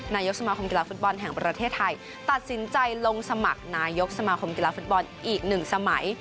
นายกสมาคมกีฬาฟุตบอลแห่งประเทศไทยตัดสินใจลงสมัครนายกสมาคมกีฬาฟุตบอลอีกหนึ่งสมัย